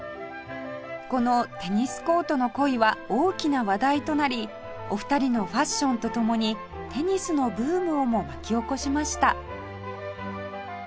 この「テニスコートの恋」は大きな話題となりお二人のファッションとともにテニスのブームをも巻き起こしました